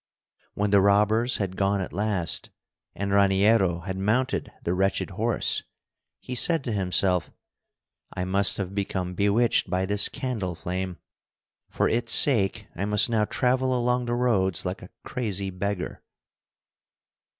When the robbers had gone at last, and Raniero had mounted the wretched horse, he said to himself: "I must have become bewitched by this candle flame. For its sake I must now travel along the roads like a crazy beggar."